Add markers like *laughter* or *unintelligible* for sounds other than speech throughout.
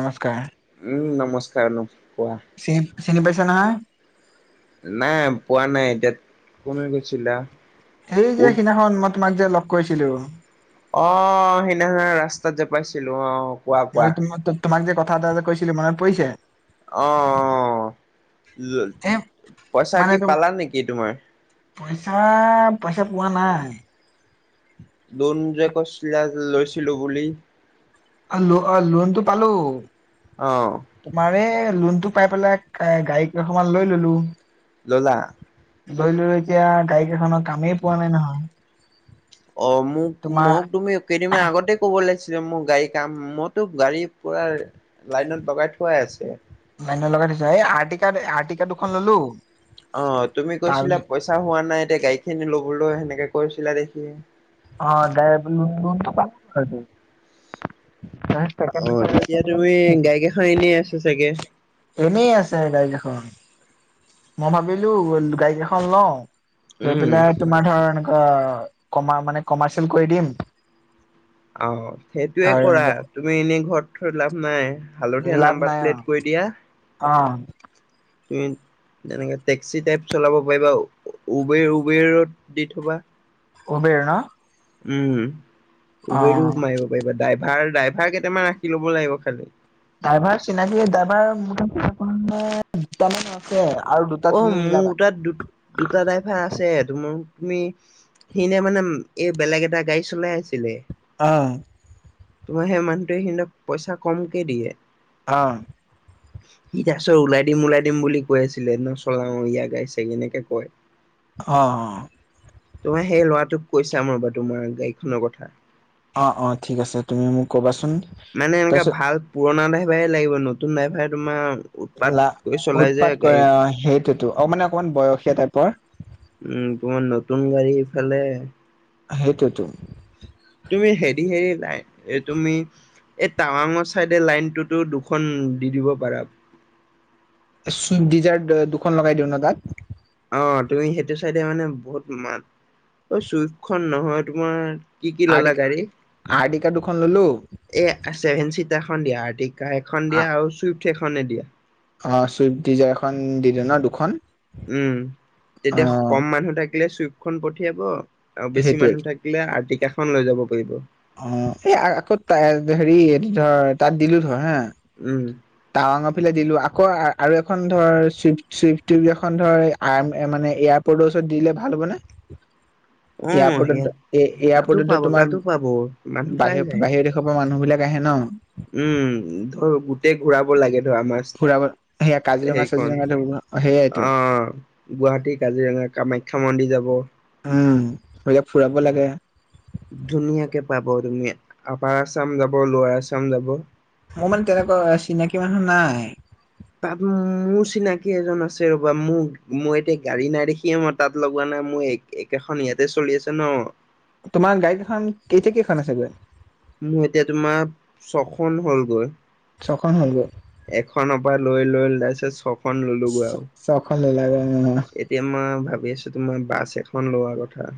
নমস্কাৰ, উম নমস্কাৰ ন কোৱা চিন চিনি পাইছা নহয়। নাই পোৱা নাই। এতিয়া কোন কৈছিলা। সেই যে উদ সিদিনাখন মই তোমাক যে লগ কৰিছিলো। অ' সেইদিনাখন ৰাস্তাত জেপাইছিলো আহ। মই তোম তোমাক যে কথা এ এটা কৈছিলো মনত পৰিছে। আহ, অ' এ পইচা মানে কি তো পালা নেকি তোমাৰ। পইচা, পইচা পোৱা নাই। লোন জে কৈছিলা লৈছিলো বুলি। ল অ' লোনটো পালো, অ তোমাৰে লোনটো পাই পেলাই গাড়ী কেইখনমান লৈ ললোঁ। ললা লয় ললো, এতিয়া গাড়ী কেইখনৰ কামেই পোৱা নাই নহয়। অ' মোক তোমাৰ মোক তুমি কেইদিনমান আগতে ক'ব লাগিছিল। মোৰ গাড়ী কাম মইতো গাড়ী পোৰা লাইনত লগাই থোৱাই আছে। লাইনত লগাই থছো, এই আৰটিকাৰ্ড আৰটিকাৰ্ড দুখন ললোঁ। অ' তুমি কৈছিলা পইচা হোৱা নাই এতিয়া গাড়ীখিনি ল'বলৈ সেনেকে কৈছিলা দেখি। অ' গায়ব *unintelligible* অ' এতিয়া তুমি গাইকেখন এনেই আছে চাগে। এনেই আছে গাড়ী কেইখন, মই ভাবিলো গাড়ী কেইখন লওঁ। লৈ উম পেলাই তোমাৰ ধৰ এনেকুৱা কমা মানে কমাৰ্চিয়েল কৰি দিম। আহ সেইটোয়ে কৰা ধৰ তুমি এনেই ঘৰত থৈ লাভ নাই। হালধীয়া লাভ নাম্বাৰ নাই অ প্লেট কৰি দিয়া। অ' তুমি তেনেকে টেক্সি টাইপ চলাব পাৰিবা। উবেৰ উবেৰৰত দি থবা। উবেৰ ন উম, অ উবেৰো মাৰিব পাৰিব ডাইভাৰ ড্ৰাইভাৰ কেইটামান ৰাখি ল'ব লাগিব খালি। ড্ৰাইভাৰ চিনাকি ড্ৰাইভাৰ মোটামুটি আ দুটামান আছে। আৰু দুটা অ' তুমি মিলাবা মোৰ তাত দু দুটা ড্ৰাইভাৰ আছে, টো মোৰ। তুমি সিনে মানে এই বেলেগ এটা গাড়ী চলাই আছিলে। আহ। তোমাৰ সেই মানুহটোৱে স, পইচা কমকে দিয়ে। আহ। সি তাৰচৰ ওলাই দিম ওলাই দিম বুলি কৈ আছিলে ন। চলাওঁ ইয় গাইছে এনেকে কয়। অ', অ'। তোমাৰ সেই ল'ৰাটোক কৈছা ম, ৰ'বা তোমাৰ গাড়ীখনৰ কথা। অ', অ', ঠিক আছে তুমি মোক ক'বাচোন। মানে এনেককা তাৰপিছত ভাল পুৰণা ড্ৰাইভাৰে লাগিব, নতুন ড্ৰাইভাৰ তোমাৰ। উৎপাত লা, কৰি চলাই যে উৎপাত গাড়ী কৰে, অ, সেইটোতো অ, মানে অকমান বয়সীয়া টাইপৰ। উম, তোমাৰ নতুন গাড়ী ফালে হেইত তুম তুমি হেৰি, হেৰি, লাই তুমি এই টাৱাঙৰ চাইডে লাইনটোতো দুখন দি, দিব পাৰা। চুই ডিজাৰ্ট দুখন লগাই দিওঁ ন, তাত। অ, তুমি সেইটো চাইডে মানে বহুত মাত চুইফখন নহয়, তোমাৰ। কি, কি, ললা আৰ্টিকা গাড়ী আৰ্টিকা দুখন ললো এ, চছেভেন চিট। এখন দিয়া আৰ্টিক এখন দিয়া আৰু চুইফ্ট এনে দিয়া। অ, চুইফ্ট ডিজাৰ এখন দিলে ন, দুখন। উম, অ তেতিয়া কম মানুহ থাকিলে, চুইপখন পঠিয়াব। আৰু বেছি সেইটোৱে মানুহ থাকিলে আৰ্টিকাখন লৈ যাব পাৰিব। অ, এই আকৌ হেৰি ধৰ তাত দিলো ধৰ হা। উম টাৱাঙৰ ফালে দিলো, আকৌ আৰু এখন ধৰ চই, চইফ এখন ধৰ আ, মানে এয়াৰপৰ্টৰ ওচৰত দিলে ভাল হ'ব নে। অ ইয়াত এয়াৰপৰ্টত এ, তাতো এয়াৰপৰ্টত পাব তোমাৰ তাতো পাব মানুহ পাই বাহিৰ, যায় বাহিৰৰ দেশৰ পৰা মানুহ বিলাক হেন উম, ধৰ গোটেই ঘূৰাব লাগে ধৰ আমাৰ ফুৰাব সেয়া কাজিৰঙা চাজিৰঙা ল আহ, গুৱাহাটী, কাজিৰঙা কামাখ্যা মন্দিৰ যাব। এইলাক ফুৰাব লাগে। ধুনীয়াকে পাব তুমি আপাৰ আচাম যাব লোৱাৰ, আছাম যাব। মোৰ মানে তেনেকুৱা চিনাকি মানুহ নাই। তাত মোৰ চিনাকি এজন আছে ৰ'বা মোক মই এতিয়া গাড়ী নাই দেখিয় মই তাত লগোৱা নাই। মোৰ একেখন ইয়াতে চলি আছে ন। তোমাৰ গাড়ী এখন এইতি কেইখন আছে, গৈ মোৰ এতিয়া তোমাৰ ছখন হ'লগৈ। ছখন হ'লগৈ এখনৰ পৰা লৈ, লৈ ওলাইছে চব। চখন ল, লাগে। এতিয়া মই ভাবি আছো, তোমাৰ বাছ এখন লোৱা কথা।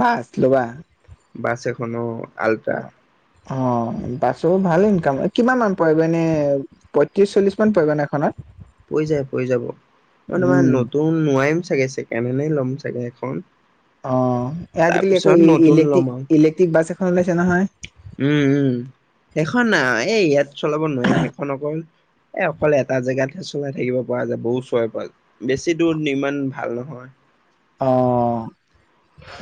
বাছ, লোৱা? নো, আলটা অ, বাছো ভাল ইনকাম কিমান মান পৰিব এনে পয়ত্ৰিশ, চল্লিশ মান পৰিবনে এখনত পৰি যায় পৰি যাব মই তোমাৰ উম নতুন নোৱাৰিম চাগে চেকেড এনে ল'ম চাগে। এখন অ, আজিকালি একো তাৰপিছত নতুন ল'ম ইলে্ট্ৰিক, আৰু ইলেক্ট্ৰিক বাছ এখন ওলাইছে নহয়। উম, উম, সেইখন এই ইয়াত চলাব নোৱাৰিম সেইখন অকল এ, অকলে এটা জেগাত চলাই থাকিব পৰা যায়, বহু ওৰে পৰা বেছি দূৰ ইমান ভাল নহয়। অ'।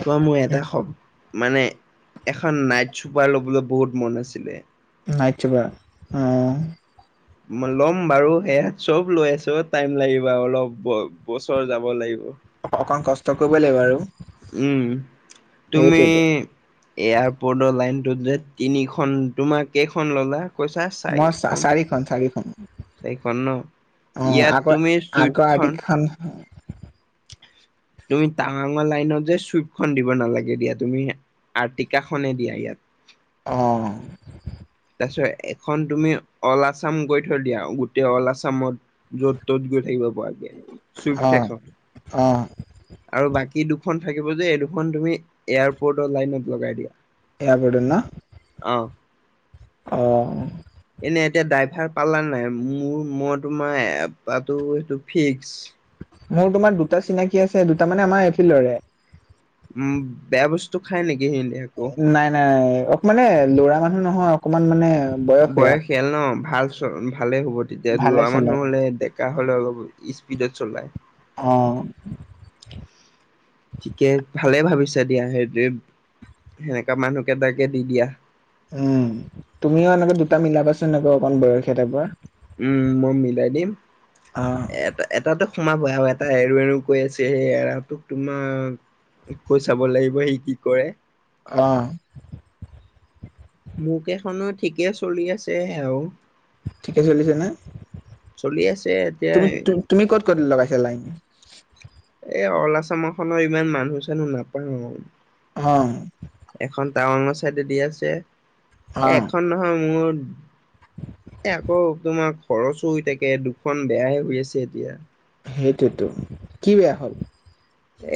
তোৱা মোৰ এটা শব্দ মানে এখন নাইট চুপাৰ ল'বলৈ বহুত মন আছিলে। নাই, চিবা আহ ল'ম বাৰু সেয়া চব লৈ আছো টাইম লাগিব অলপ বছৰ যাব লাগিব। অ-অকমান কষ্ট কৰিব লাগিব আৰু। উম, তুমি সেইটোৱেতো এয়াৰপৰ্টৰ লাইন দু তিনিখন তোমাৰ কেইখন ল'লা কৈছা মই চাৰখন চাৰিখন চাৰিখন চাৰখন ন। অ', ইয়াত আগৰ তুমি আগৰ চুইপখন আৰ্টিকখন তুমি টাৱাঙৰ লাইনত যে চুইপখন দিব নালাগে দিয়া তুমি আৰৰ্টিকাখনে দিয়া ইয়াত। অহ। খন তুমি অল আছাম গৈ থৈ দিয়া। গোটেই অল আছামত য'ত ত'ত গৈ থাকিব পৰাকে চুইফ্ট অ', এখন অ', আৰু বাকী দুখন থাকিব যে এই দুখন তুমি এয়াৰপৰ্টৰ লাইনত লগাই দিয়া। এয়াৰপৰ্টত ন আহ অ', এনে এতিয়া ড্ৰাইভাৰ পালা নাই মোৰ মই তোমাৰ এপটো সেইটো ফিক্স। মোৰ তোমাৰ দুটা চিনাকি আছে। দুটা মানে আমাৰ এইফিলৰে। উম, বেয়া বস্তু খায় নেকি? সিহঁতে আকৌ নাই নাই অ' মানে ল'ৰা মানুহ নহয় অকমান মানে বয়সীয়া। বয়সীয়াল ন ভাল চ ভালেই হ'ব তেতিয়া ভালে ল'ৰা চলে মানুহ হ'লে ডেকা হ'লে অলপ স্পীডত চলাই। অহ। থিকে ভালে ভাবিছা দিয়া সেইটোৱে সেনেকুৱা মানুহ কেইটাকে দি দিয়া। উম, তুমিও এনেকে দুটা মিলাবাচোন অকমান বয়সীয়া টাইপৰ উম, মই মিলাই দিম। অ এটা এটাতো সোমাব আৰু এটা এৰো এৰো কৈ আছে সেই এৰা তোক তোমাৰ তোক চাব লাগিব সি কি কৰে। আহ। মোৰ কেইখনো ঠিকে চলি আছে আৰু। ঠিকে চলিছে ন? চলি আছে এতিয়া তুমি তুমি ক'ত ক'ত লগাইছা লাইন? এই অল আচামৰখনৰ ইমান মানুহ চানুহ নাপাওঁ। অহ। ডাৱঙৰ চাইডে দি আছে অ এ এখন নহয় মোৰ এ আকৌ তোমাৰ খৰচো থাকে। দুখন বেয়াহে হৈ আছে এতিয়া। সেইটোতো। কি বেয়া হ'ল?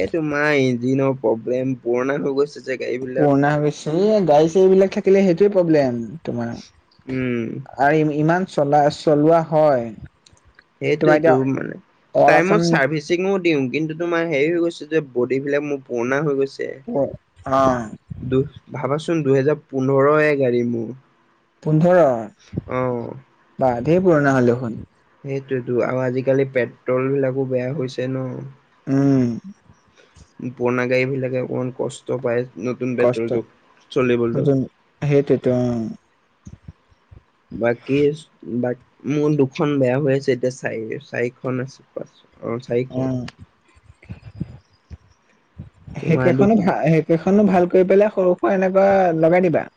এই তোমাৰ ইঞ্জিনৰ প্ৰব্লেম পুৰণা হৈ গৈছে। যে গাড়ী বিলাক পুৰণা হৈ গৈছে এ গাড়ী চাড়ীবিলাক থাকিলে সেইটোয়ে প্ৰব্লেম। তোমাৰ উম, আৰু ইমান চলা চলোৱা হয়। তোমাৰ সেইটোয়েতো এতিয়া মানে অল আছাম টাইমত চাৰ্ভিচিঙো দিওঁ। কিন্তু তোমাৰ হেৰি হৈ গৈছে যে বডিবিলাক মোৰ পুৰণা হৈ গৈছে। অ দু ভাবাচোন দুহেজাৰ পোন্ধৰয়ে গাড়ী মোৰ। পোন্ধৰ অ'। বা ধে পুৰণা হ'লে দেখোন। সেইটোয়েতো আৰু আজিকালি পেট্ৰলবিলাকো বেয়া হৈছে ন। উম। পুৰণা গাড়ীবিলাকে অকণমান কষ্ট পায়। নতুন কষ্ট বেট্ৰলটোক চলিবলৈ। নতুন সেইটোতো বাকী বা মোৰ দুখন বেয়া হৈ আছে এতিয়া চাৰি চাৰিখন আছে পাচঁখন। অ', চাৰিখন। তোমাৰ দু সেইকেইখনো ভাল সেইকেইখনো ভাল কৰি পেলাই সৰু সুৰা এনেকুৱা লগাই দিবা।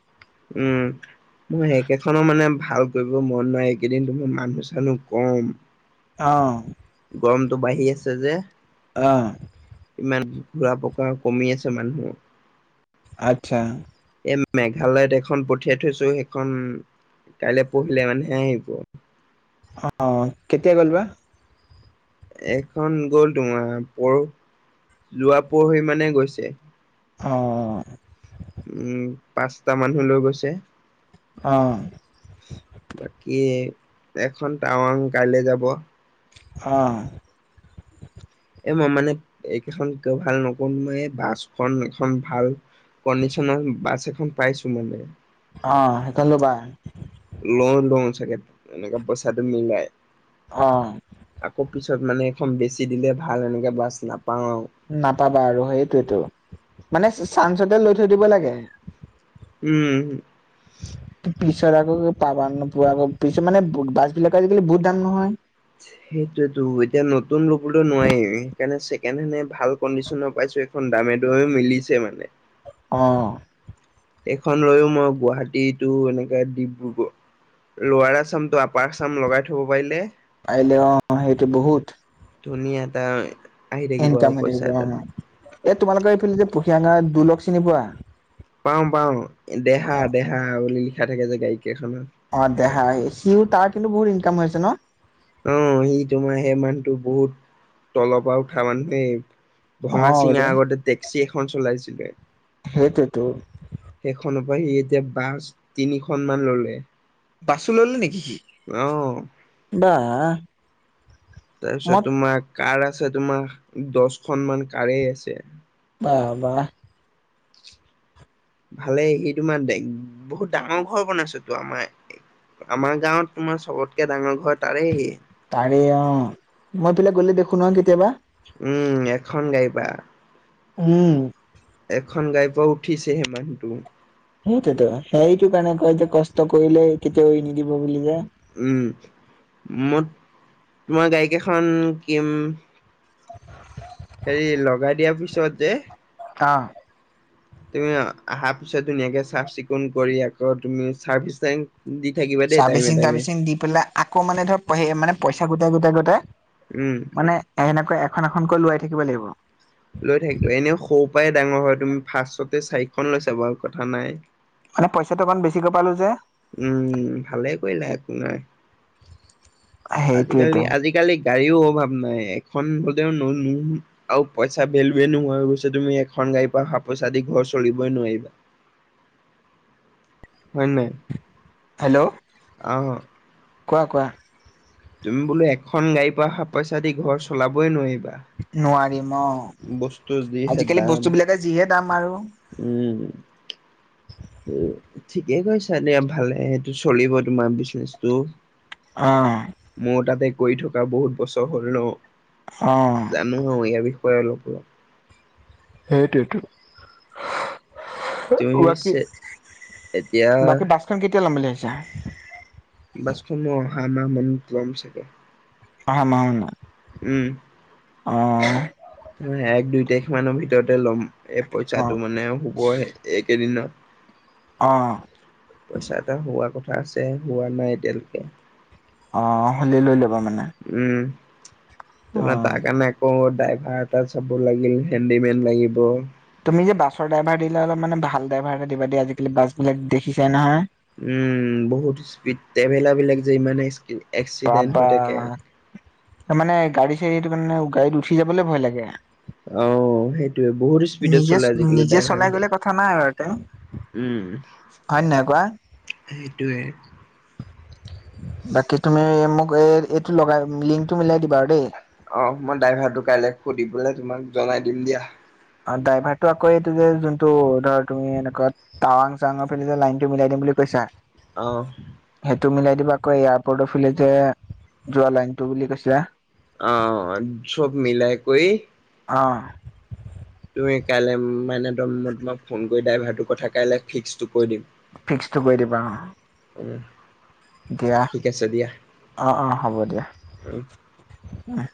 উম, মোৰ সেইকেইখনৰ মানে ভাল কৰিব মন নাই এইকেইদিন তুমি মানুহ চানুহ কম। অ'। গৰমটো বাঢ়ি আছে যে। অ'। ইমান ঘোৰা পকা কমি আছে মানুহৰ। আচ্ছা। এই মেঘালয়ত এখন পঠিয়াই থৈছোঁ সেইখন কাইলৈ পৰহিলৈ মানে হে আহিব। অ' কেতিয়া গ'ল বা। এখন গ'ল তোমাৰ পৰো, যোৱা পৰহি মানে গৈছে। অ'। উম, পাঁচটা মানুহ লৈ গৈছে। অ', বাকী এখন টাৱাং কাইলৈ যাব। অ'। এ মই মানে এইকেইখন ক ভাল নকৰো মই এই বাছখন এখন ভাল কণ্ডিশ্যনৰ বাছ এখন পাইছোঁ মানে। অ' সেইখন ল'বা। লওঁ লওঁ চাগে এনেকে পইচাটো মিলাই। অ'। আকৌ পিছত মানে এখন বেছি দিলে ভাল এনেকৈ বাছ নাপ নাপাবা আৰু সেইটোৱেতো, মানে চা- চানঞ্চতে লৈ থৈ দিব লাগে। উম। *inaudible* পিছত আকৌ পাবা নোপোৱা আকৌ পিছত মানে বাছবিলাকৰ আজিকালি বহুত দাম নহয়। সেইটোৱেতো এতিয়া নতুন ল'বলৈ নোৱাৰি সেইকাৰণে ছেকেণ্ডহেণ্ড ভাল কণ্ডিচনৰ পাইছোঁ এখন দামে দৰে মিলিছে মানে। অ'। এইখন লৈওঁ মই গুৱাহাটীটো এনেকে ডিব্ৰুগড় লোৱাৰ আচামটো আপাৰ চাম লগাই থ'ব পাৰিলে পাৰিলে অ' সেইটো বহুত। ধুনীয়া এটা আহি থাকিব ইনকাম আৰু হৈ থাকিব পইচা অ' এটা এ তোমালোকৰ এইফিলে দি পুখিয়াগাওঁ দুলক চিনি পোৱা। পাওঁ পাওঁ, দেহা অ দেহা বুলি লিখা থাকে যে গাড়ীত। অ' দেহা সিওঁ তাৰ কিন্তু বহুত ইনকাম হৈ আছে ন'। অ' সি তোমাৰ সেই মানুহটো বহুত, তলৰ পৰা উঠা মানুহ দেই। অ ভঙা চিঙা আগতে টেক্সি এখন চলাইছিলে। সেইটোৱেতো। *unintelligible* সি এতিয়া বাছ তিনিখন মান ল'লে। বাছো ল'লে নেকি। অ'। আহ। তাৰপিছত তোমাৰ কাৰ আছে তোমাৰ দশখন মান কাৰেই আছে। *unintelligible* ভালে সি তোমাৰ দেক বহুত ডাঙৰ ঘৰ বনাইছেটো আমাৰ আমাৰ গাঁৱত তোমাৰ চবতকে ডাঙৰ ঘৰ তাৰেই। তাৰে অ' মই এফালে গ'লে দেখো নহয় কেতিয়াবা। উম, এখন গাড়ী পৰা। হম। এখন গাড়ী পৰা উঠিছেহে মানুহটো। সেইটোৱেতো সেইটো কাৰণে কয় যে কষ্ট কৰিলে কেতিয়াও এৰি নিদিব বুলি যে। উম, মোত, তোমাৰ গাড়ী কেইখন কিম *unintelligible* হেৰি, লগাই দিয়াৰ পিছত যে আহ। তুমি আহা পিছত ধুনীয়াকে চাফ চিকুণ কৰি, আকৌ তুমি ছাৰ্ভিচিং ছাৰ্ভিচিং টাৰ্ভিচিং দি পেলাই আকৌ মানে, ধৰক হেৰি, মানে, সেই পইচা গোটাই গোটাই গোটাই উম মানে, এনেকৈ এখন এখনকৈ লোৱাই থাকিব লাগিব। লৈ থাকিব। এনেও সৰু পৰাই ডাঙৰ হয় তুমি ফাৰ্ষ্টতে চাৰিখন লৈছা বাৰু কথা নাই। মানে, পইচাটো অকন বেছিকৈ পালো যে। উম, ভালে কৰিলা একো নাই। সেইটোৱেতো আজিকালি আজিকালি গাড়ীও অভাৱ নাই। এখন হলেও নোললোন আৰু পইচা ভেলুৱে নোহোৱা হৈ গৈছে তুমি এখন গাড়ী পৰা অহা পইচাদি ঘৰ চলিবই নোৱাৰিবা। *inaudible* হয় নাই? হেল্ল' অহ। কোৱা, কোৱা। তুমি বোলো এখন গাড়ীৰ পৰা অহা পইচা দি ঘৰ চলাবই নোৱাৰিম। নোৱাৰিম। অ', যিহে আজিকালি দাম বস্তু বিলাকে যিহে দাম আৰু। উম। *inaudible* উম, ঠিকে কৈছা দিয়া। ভালে, সেইটো চলিব তোমাৰ বিজনেচটো। অ মোৰ তাতে কৰি থকা বহুত বছৰ হ'ল ন। অ জানো আৰু, ইয়াৰ বিষয়ে অলপ অলপ। সেইটোৱেটো। তুমি বাকী, পিছে এতিয়া বাকী বাছখন কেতিয়া ল'ম বুলি ভাবিছা? বাছখন মই অহা মাহ মানত ল'ম চাগে। অহা মাহ মানত। উম, এক দুই তাৰিখ মানৰ ভিতৰতে ল'ম। এই অ পইচাটো মানে, আৰু হ'বহে, এইকেইদিনত। অ পইচা এটা হোৱা কথা আছে। হোৱা নাই এতিয়ালৈকে। অ', *unintelligible* উম। ত, অ তাৰ কাৰণে আকৌ ড্ৰাইভাৰ এটা চাব লাগিল। হেণ্ডিমেন লাগিব। তুমি যে বাছৰ ড্ৰাইভাৰ দিলে অলপ মানে ভাল ড্ৰাইভাৰ এটা দিবা দেই। আজিকালি বাছ বিলাক দেখিছাই নহয়। উম, বহুত স্পীড। ট্ৰেভেলাৰ বিলাক যে ইমানে বাবা এক্সিডেণ্ট হৈ থাকে। মানে, গাড়ী চাড়ীটো কাৰণে, গাড়ীত উঠি যাবলে ভয় লাগে। অ', সেইটোৱে, বহুত স্পীডত নিজে চলাই আজিকালি নিজে চলাই গ'লে ড্ৰাইভাৰবিলাকে। কথা নাই বাৰু তে উম, হয় নে নহয় কোৱা সেইটোৱে। বাকী, তুমি মোক, এই এইটো লগাই লিংকটো মিলাই আৰু দেই অ, মই ড্ৰাইভাৰটো কাইলৈ সুধিবলৈ তোমাক জনাই দিম দিয়া। অ', ড্ৰাইভাৰটো আকৌ এইটো যে যোনটো ধৰা, তুমি এনেকোৱা, টাৱাং চাৱাং ফালে যে লাইনটো মিলাই দি বুলি কৈছা। অহ। তুমি লাই দিবা আকৌ। এয়াৰপৰ্টৰ ফালে যে যোৱা লাইনটো বুলি কৈছিলা। অ', চব মিল কৰি অ'। তুমি কাইলৈ মানে, ত তোমাক ফোন কৰি ড্ৰাইভাৰটোৰ কথা কাইলে ফিক্সটো কৈ দিম। ফিক্সটো কৈ দিবা। উঃ দিয়া। অ', অ', হ'ব দিয়া। আহ।